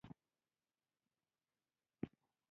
غول د انتاناتو پټ راز افشا کوي.